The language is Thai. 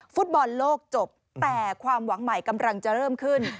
ฟุตบอลโลกจบแต่ความหวังใหม่กำลังจะเริ่มขึ้น